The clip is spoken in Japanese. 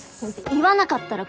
言わなかったら殺す。